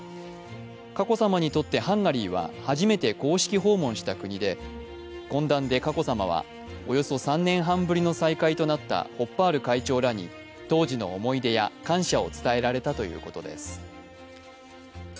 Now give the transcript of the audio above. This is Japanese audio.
佳子さまにとってハンガリーは初めて公式訪問した国で懇談で佳子さまは、およそ３年半ぶりの再会となったホッパール会長らに当時の思い出や感謝を伝えられたということです。